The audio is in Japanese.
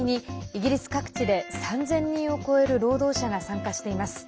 イギリス各地で３０００人を超える人たちがそうし始めました。